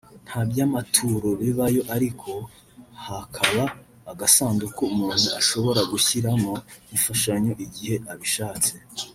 nta by’amaturo bibayo ariko hakaba agasanduku umuntu ashobora gushyiramo imfashanyo igihe abishatse